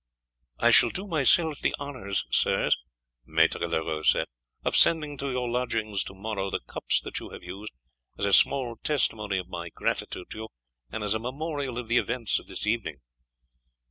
"I shall do myself the honour, sirs," Maître Leroux said, "of sending to your lodgings to morrow the cups that you have used, as a small testimony of my gratitude to you, and as a memorial of the events of this evening."